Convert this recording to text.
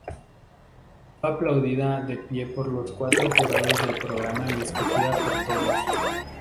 Fue aplaudida de pie por los cuatro jurados del programa y escogida por todos.